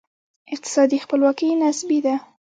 اقتصادي خپلواکي نسبي ده.